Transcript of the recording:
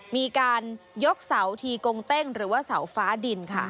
มีการยกเสาทีกงเต้งหรือว่าเสาฟ้าดินค่ะ